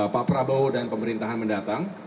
pak prabowo dan pemerintahan mendatang